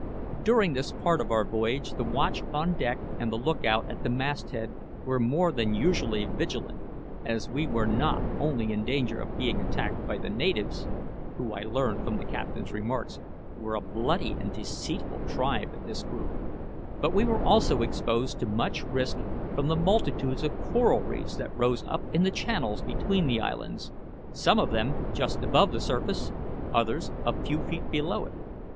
During this part of our voyage the watch on deck and the lookout at the masthead were more than usually vigilant, as we were not only in danger of being attacked by the natives (who, I learned from the captain's remarks, were a bloody and deceitful tribe at this group), but we were also exposed to much risk from the multitudes of coral reefs that rose up in the channels between the islands some of them just above the surface, others a few feet below it.